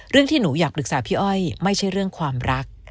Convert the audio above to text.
ที่หนูอยากปรึกษาพี่อ้อยไม่ใช่เรื่องความรัก